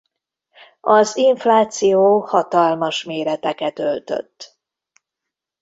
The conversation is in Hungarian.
Az infláció hatalmas méreteket öltött.